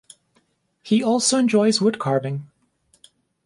He also enjoys woodcarving.